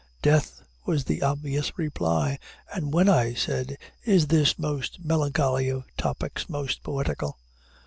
Death was the obvious reply. "And when," I said, "is this most melancholy of topics most poetical?"